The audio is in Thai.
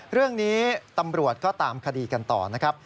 เรื่องนี้ตำรวจก็ตามคดีกันต่อนะครับ